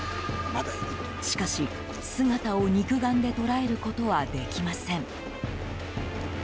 しかし、姿を肉眼で捉えることはできません。